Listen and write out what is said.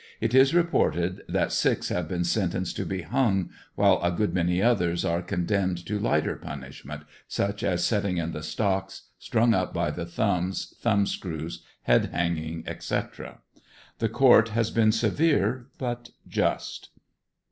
It is reported that six have been sentenced to be hung, while a good many others are con demned to lighter punishment, such as setting in the stocks, strung up by the thumbs, thumb screws, head hanging, etc. The court 78 ANDERSONVILLE DIABT. has been severe, but just.